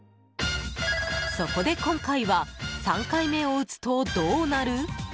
そこで今回は３回目を打つとどうなる？